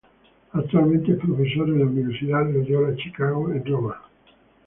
Actualmente es profesor en la Universidad Loyola Chicago en Roma.